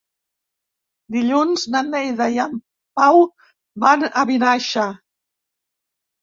Dilluns na Neida i en Pau van a Vinaixa.